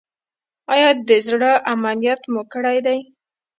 ایا د زړه عملیات مو کړی دی؟